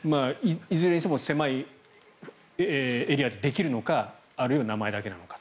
いずれにしても狭いエリアでできるのかあるいは名前だけなのか。